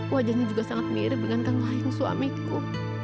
wajahnya juga sangat mirip dengan kang suamiku